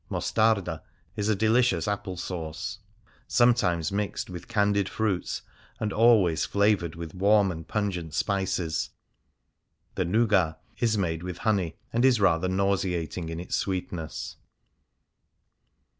Mostarda is a delicious apple sauce, sometimes mixed with candied fruits, and always flavoured with warm and pungent spices ; the nougat is made with honey, and is rather nauseating in its sweetness.